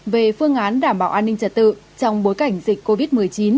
về phương án đảm bảo an ninh trật tự trong bối cảnh dịch covid một mươi chín